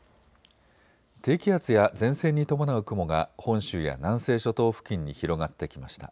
低気圧や前線に伴う雲が本州や南西諸島付近に広がってきました。